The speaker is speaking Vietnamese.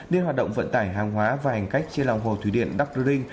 nên hoạt động vận tải hàng hóa và hành cách trên lòng hồ thủy điện đắk đơ linh